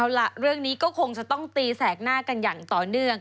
เอาล่ะเรื่องนี้ก็คงจะต้องตีแสกหน้ากันอย่างต่อเนื่อง